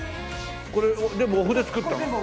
これ全部お麩で作ったの？